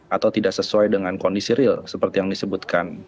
atau tidak sesuai dengan kondisi real seperti yang disebutkan